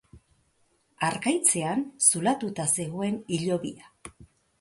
Harkaitzean zulatuta zegoen hilobia